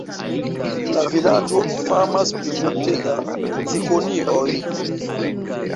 La vilaĝo famas pri multe da cikonioj.